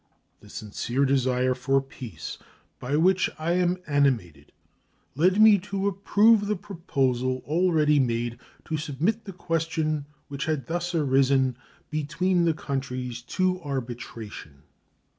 The sincere desire for peace by which I am animated led me to approve the proposal, already made, to submit the question which had thus arisen between the countries to arbitration.